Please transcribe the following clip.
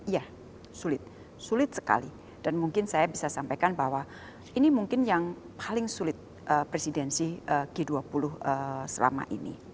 ya sulit sulit sekali dan mungkin saya bisa sampaikan bahwa ini mungkin yang paling sulit presidensi g dua puluh selama ini